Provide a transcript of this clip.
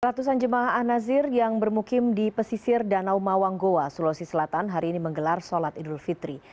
ratusan jemaah an nazir yang bermukim di pesisir danau mawang goa sulawesi selatan hari ini menggelar sholat idul fitri